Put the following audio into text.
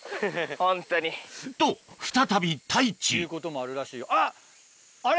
ホントに。と再び太一あそこ。